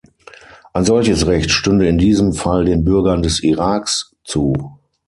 Ein solches Recht stünde in diesem Fall den Bürgern des Iraks zu.